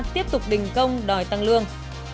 tiếp tục đình công đòi tăng lương